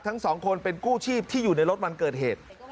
ทั้งสองคนเป็นกู้ชีพที่อยู่ในรถวันเกิดเหตุ